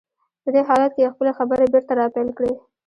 په دې حالت کې يې خپلې خبرې بېرته را پيل کړې.